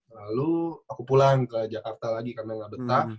lalu aku pulang ke jakarta lagi karena nggak betah